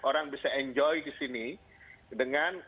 orang bisa enjoy di sini dengan